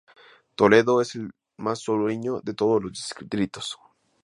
Toledo es el más sureño de todos los distritos.